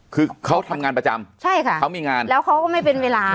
คือเขาทำงานประจำใช่ค่ะเขามีงานแล้วเขาก็ไม่เป็นเวลา